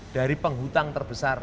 dari penghutang terbesar